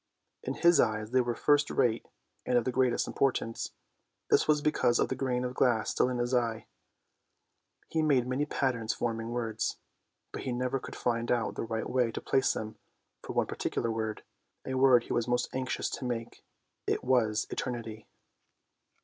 In his eyes they were first rate and of the greatest importance: this was because of the grain of glass still in his eye. He made many patterns forming words, but he never could find out the right way to place them for one particular word, a word he was most anxious to make. It was " Eternity."